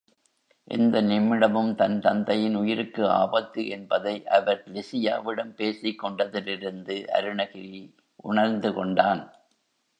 எந்த நிமிடமும் தன் தந்தையின் உயிருக்கு ஆபத்து என்பதை அவர் லிஸியாவிடம் பேசிக் கொண்டதிலிருந்து அருணகிரி உணர்ந்து கொண்டான்.